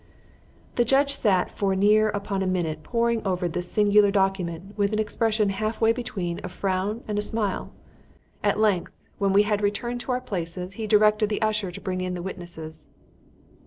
The judge sat for near upon a minute poring over this singular document with an expression half way between a frown and a smile. At length, when we had all returned to our places, he directed the usher to bring in the witnesses.